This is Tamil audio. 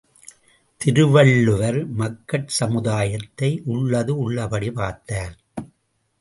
திருவள்ளுவர் மக்கட் சமுதாயத்தை உள்ளது உள்ளபடி பார்த்தார்.